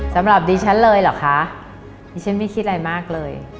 สำหรับดิฉันเลยเหรอคะดิฉันไม่คิดอะไรมากเลย